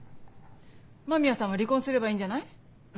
間宮さんは離婚すればいいんじゃない？